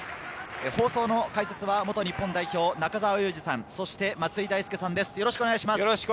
放送の解説は元日本代表・中澤佑二さん、そして松井大輔さんです、よろしくお願いします。